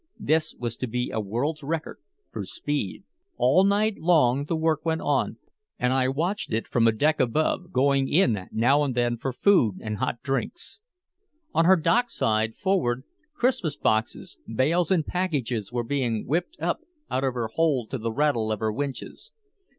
This was to be a world's record for speed! All night long the work went on, and I watched it from a deck above, going in now and then for food and hot drinks. On her dock side, forward, Christmas boxes, bales and packages were being whipped up out of her hold to the rattle of her winches.